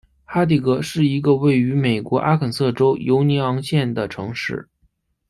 哈蒂格是一个位于美国阿肯色州犹尼昂县的城市。